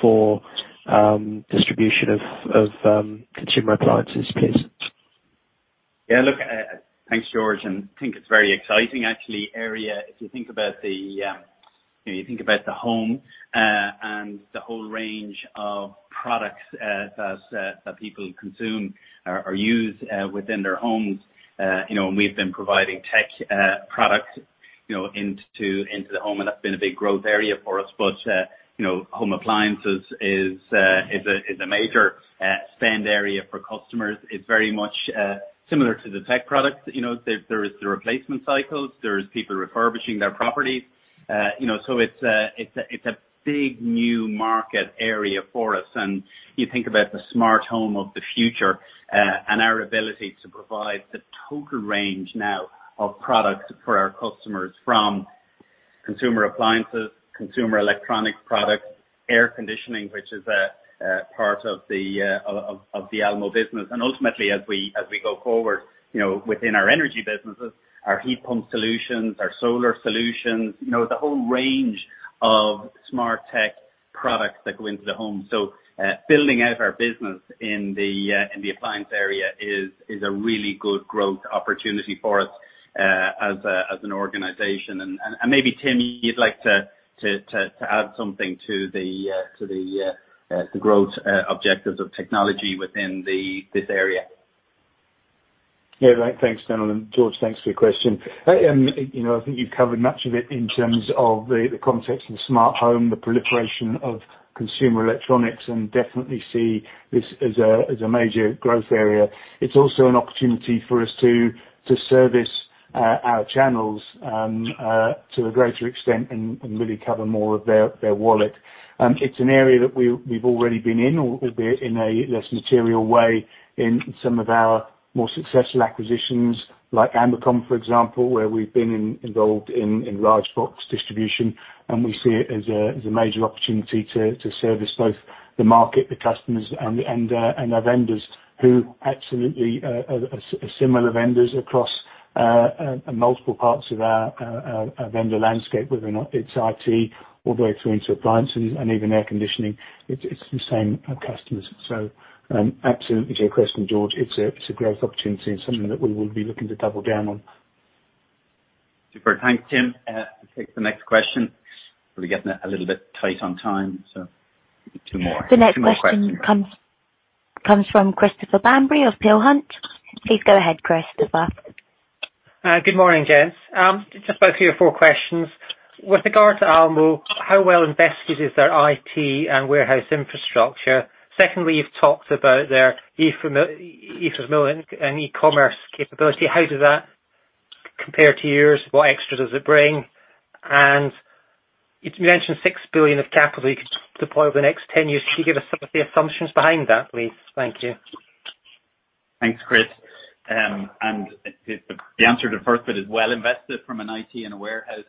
for distribution of consumer appliances, please? Yeah, look, thanks, George, and I think it's a very exciting area actually. If you think about the home, you know, and the whole range of products that people consume or use within their homes, you know. We've been providing tech products, you know, into the home, and that's been a big growth area for us. But you know, home appliances is a major spend area for customers. It's very much similar to the tech products. You know, there is the replacement cycles, there's people refurbishing their properties. You know, so it's a big new market area for us. You think about the smart home of the future, and our ability to provide the total range now of products for our customers from consumer appliances, consumer electronic products, air conditioning, which is a part of the Almo business. Ultimately as we go forward, you know, within our energy businesses, our heat pump solutions, our solar solutions, you know, the whole range of smart tech products that go into the home. Building out our business in the appliance area is a really good growth opportunity for us, as an organization. Maybe Tim, you'd like to add something to the growth objectives of technology within this area. Yeah, right. Thanks, gentlemen. George, thanks for your question. You know, I think you've covered much of it in terms of the context of the smart home, the proliferation of consumer electronics, and definitely see this as a major growth area. It's also an opportunity for us to service our channels to a greater extent and really cover more of their wallet. It's an area that we've already been in, albeit in a less material way in some of our more successful acquisitions, like Amacom, for example, where we've been involved in large spots distribution, and we see it as a major opportunity to service both the market, the customers and our vendors who absolutely are similar vendors across multiple parts of our vendor landscape, whether or not it's IT, all the way through into appliances and even air conditioning. It's the same customers. Absolutely to your question, George, it's a growth opportunity and something that we will be looking to double down on. Super. Thanks, Tim. Take the next question. We're getting a little bit tight on time, so two more. Two more questions. The next question comes from Christopher Bamberry of Peel Hunt. Please go ahead, Christopher. Good morning, gents. Just about three or four questions. With regard to Almo, how well invested is their IT and warehouse infrastructure? Secondly, you've talked about their e-fulfillment and e-commerce capability. How does that compare to yours? What extras does it bring? You mentioned 6 billion of capital you could deploy over the next 10 years. Could you give us some of the assumptions behind that, please? Thank you. Thanks, Chris. The answer to the first bit is well invested from an IT and a warehouse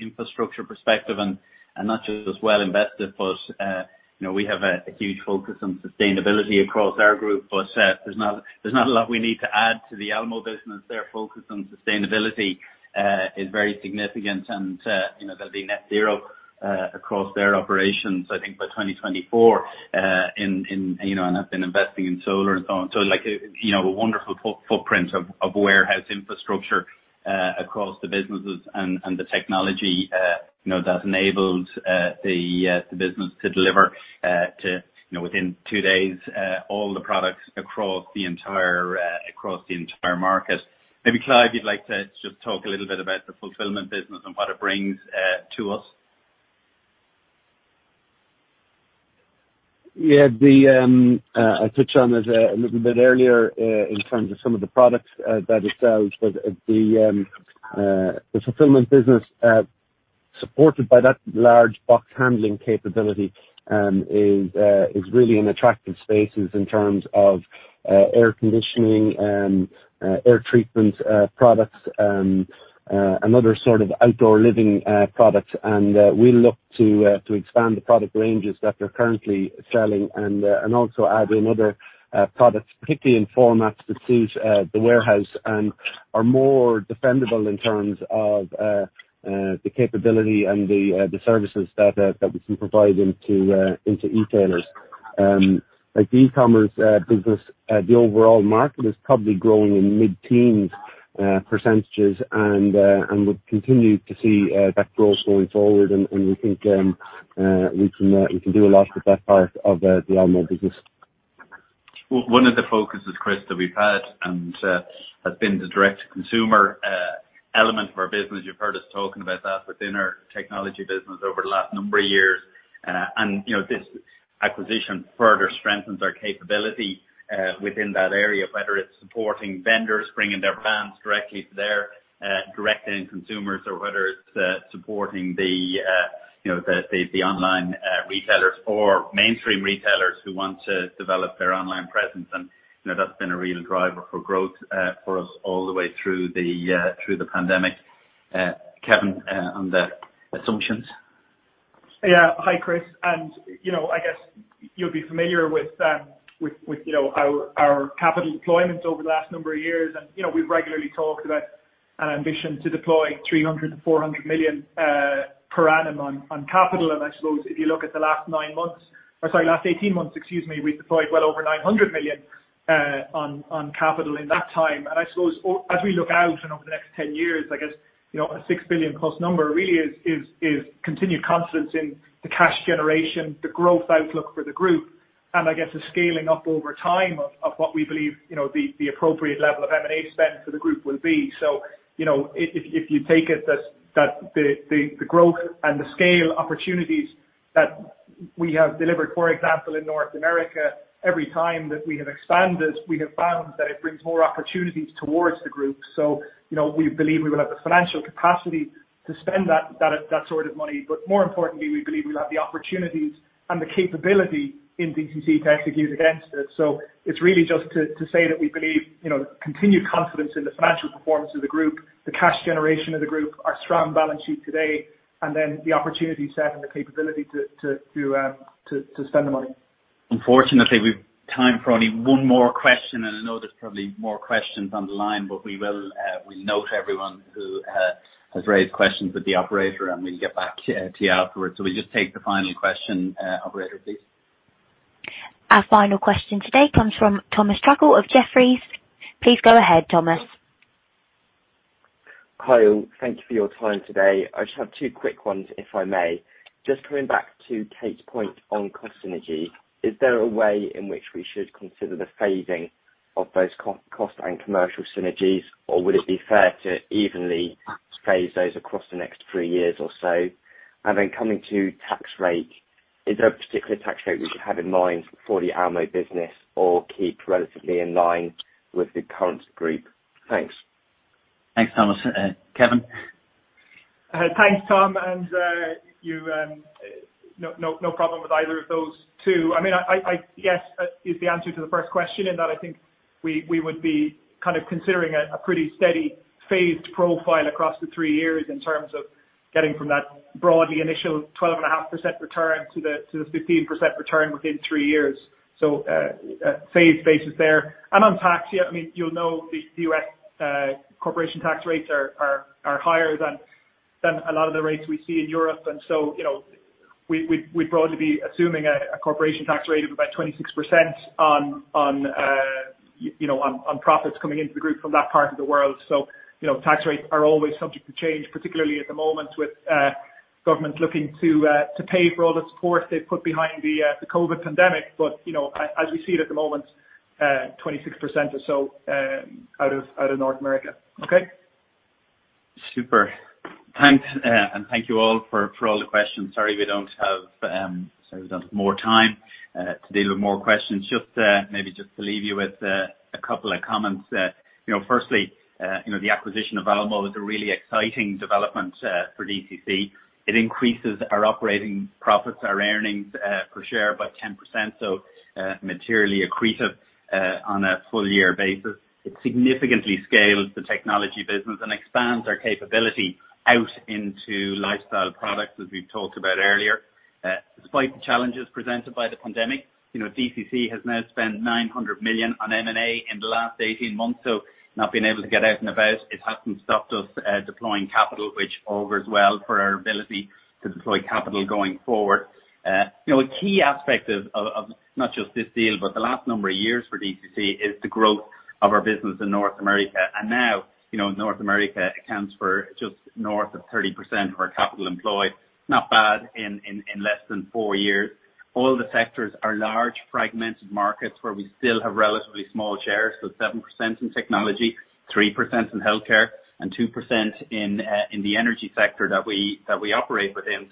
infrastructure perspective, and not just as well invested, but you know, we have a huge focus on sustainability across our group. There's not a lot we need to add to the Almo business. Their focus on sustainability is very significant and you know, they'll be net zero across their operations, I think by 2024, and have been investing in solar and so on. Like a wonderful footprint of warehouse infrastructure across the businesses and the technology, you know, that enables the business to deliver to, you know, within two days all the products across the entire market. Maybe Clive, you'd like to just talk a little bit about the fulfillment business and what it brings to us. Yeah. I touched on this a little bit earlier in terms of some of the products that it sells, but the fulfillment business supported by that large box handling capability is really an attractive space in terms of air conditioning and air treatment products and other sort of outdoor living products. We look to expand the product ranges that they're currently selling and also add in other products, particularly in formats that suit the warehouse and are more defendable in terms of the capability and the services that we can provide into e-tailers. Like the e-commerce business, the overall market is probably growing in mid-teens% and we continue to see that growth going forward and we think we can do a lot with that part of the Almo business. One of the focuses, Chris, that we've had and has been the direct consumer element of our business. You've heard us talking about that within our technology business over the last number of years. You know, this acquisition further strengthens our capability within that area, whether it's supporting vendors, bringing their brands directly to their direct end consumers, or whether it's supporting the you know, the online retailers or mainstream retailers who want to develop their online presence. You know, that's been a real driver for growth for us all the way through the pandemic. Kevin, on the assumptions. Yeah. Hi, Chris. You know, I guess you'll be familiar with you know, our capital deployments over the last number of years. You know, we've regularly talked about an ambition to deploy 300 million-400 million per annum on capital. I suppose if you look at the last 18 months, we deployed well over 900 million on capital in that time. I suppose as we look out and over the next 10 years, I guess, you know, a 6 billion plus number really is continued confidence in the cash generation, the growth outlook for the group, and I guess the scaling up over time of what we believe, you know, the appropriate level of M&A spend for the group will be. You know, if you take it that the growth and the scale opportunities that we have delivered, for example, in North America, every time that we have expanded, we have found that it brings more opportunities towards the group. You know, we believe we will have the financial capacity to spend that sort of money. But more importantly, we believe we'll have the opportunities and the capability in DCC to execute against it. It's really just to say that we believe, you know, continued confidence in the financial performance of the group, the cash generation of the group, our strong balance sheet today, and then the opportunity set and the capability to spend the money. Unfortunately, we've time for only one more question, and I know there's probably more questions on the line, but we will note everyone who has raised questions with the operator, and we'll get back to you afterwards. We just take the final question, operator, please. Our final question today comes from Thomas Truckle of Jefferies. Please go ahead, Thomas. Kyle, thank you for your time today. I just have two quick ones, if I may. Just coming back to Kate's point on cost synergy. Is there a way in which we should consider the phasing of those cost and commercial synergies, or would it be fair to evenly phase those across the next three years or so? Coming to tax rate, is there a particular tax rate we should have in mind for the Almo business or keep relatively in line with the current group? Thanks. Thanks, Thomas. Kevin? Thanks, Tom. No problem with either of those two. I mean, yes is the answer to the first question in that I think we would be kind of considering a pretty steady phased profile across the three years in terms of getting from that broadly initial 12.5% return to the 15% return within three years. Phased basis there. On tax, yeah, I mean, you'll know the U.S. corporation tax rates are higher than a lot of the rates we see in Europe. You know, we would broadly be assuming a corporation tax rate of about 26% on profits coming into the group from that part of the world. You know, tax rates are always subject to change, particularly at the moment with government looking to pay for all the support they've put behind the COVID pandemic. You know, as we see it at the moment, 26% or so out of North America. Okay? Super. Thanks. Thank you all for all the questions. Sorry we don't have more time to deal with more questions. Maybe just to leave you with a couple of comments. You know, firstly, you know, the acquisition of Almo is a really exciting development for DCC. It increases our operating profits, our earnings per share by 10%. Materially accretive on a full year basis. It significantly scales the technology business and expands our capability out into lifestyle products, as we've talked about earlier. Despite the challenges presented by the pandemic, you know, DCC has now spent 900 million on M&A in the last eighteen months. Not being able to get out and about, it hasn't stopped us deploying capital, which augurs well for our ability to deploy capital going forward. You know, a key aspect of not just this deal, but the last number of years for DCC, is the growth of our business in North America. Now, you know, North America accounts for just north of 30% of our capital employed. Not bad in less than four years. All the sectors are large, fragmented markets where we still have relatively small shares. 7% in technology, 3% in healthcare, and 2% in the energy sector that we operate within.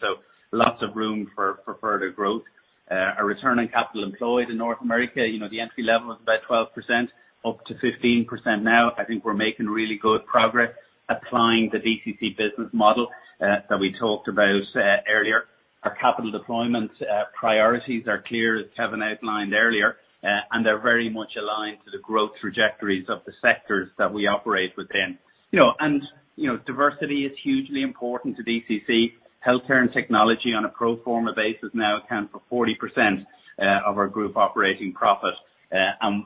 Lots of room for further growth. Our return on capital employed in North America, you know, the entry level was about 12%, up to 15% now. I think we're making really good progress applying the DCC business model, that we talked about, earlier. Our capital deployment priorities are clear, as Kevin outlined earlier. They're very much aligned to the growth trajectories of the sectors that we operate within. You know, diversity is hugely important to DCC. Healthcare and technology on a pro forma basis now account for 40% of our group operating profit.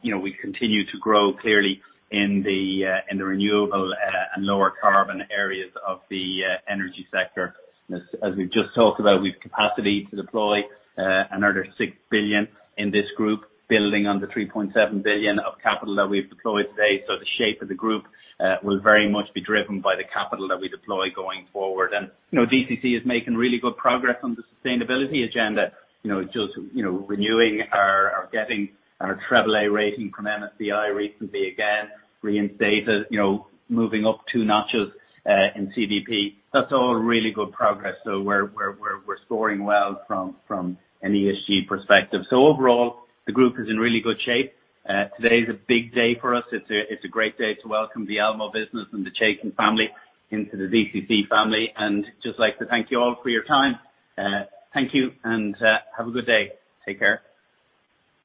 You know, we continue to grow clearly in the renewable and lower carbon areas of the energy sector. As we've just talked about, we have capacity to deploy another 6 billion in this group, building on the 3.7 billion of capital that we've deployed to date. The shape of the group will very much be driven by the capital that we deploy going forward. You know, DCC is making really good progress on the sustainability agenda. You know, renewing our getting our AAA rating from MSCI recently, again, reinstated, you know, moving up two notches in CDP. That's all really good progress. We're scoring well from an ESG perspective. Overall, the group is in really good shape. Today is a big day for us. It's a great day to welcome the Almo business and the Chaiken family into the DCC family. I just like to thank you all for your time. Thank you and have a good day. Take care.